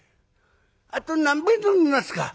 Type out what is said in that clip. あと何杯飲みますか？」。